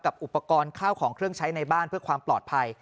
อุปกรณ์ข้าวของเครื่องใช้ในบ้านเพื่อความปลอดภัย